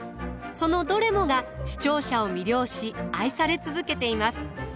そのどれもが視聴者を魅了し愛され続けています。